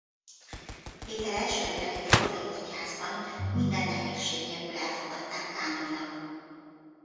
Péter első levelét a korai egyházban minden nehézség nélkül elfogadták kánoninak.